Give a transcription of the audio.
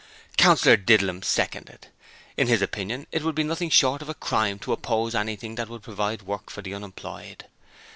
Councillor Didlum seconded. In his opinion, it would be nothing short of a crime to oppose anything that would provide work for the unemployed.